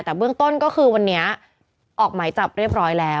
แต่เบื้องต้นก็คือวันนี้ออกหมายจับเรียบร้อยแล้ว